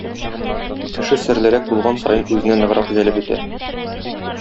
Кеше серлерәк булган саен үзенә ныграк җәлеп итә.